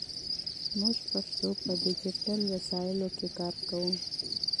موږ پښتو ته په ډیجیټل وسایلو کې کار کوو.